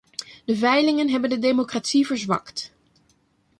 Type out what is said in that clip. De veilingen hebben de democratie verzwakt.